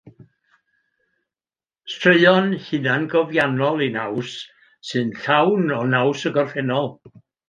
Straeon hunangofiannol eu naws sy'n llawn o naws y gorffennol.